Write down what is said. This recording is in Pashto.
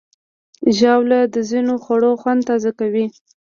ژاوله د ځینو خوړو خوند تازه کوي.